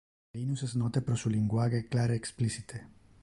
Linus es note pro su linguage clar e explicite.